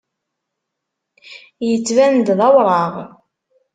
Yettban-d d awraɣ.